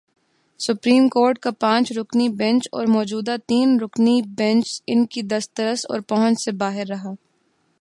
Supreme court کا پانچ رکنی بینچ اور موجودہ تین رکنی بینچ ان کی دسترس اور پہنچ سے باہر رہا۔